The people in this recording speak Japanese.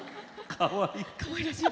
かわいい！